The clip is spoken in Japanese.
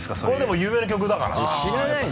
これでも有名な曲だからさ。